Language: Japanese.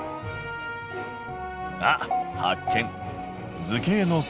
あっ発見！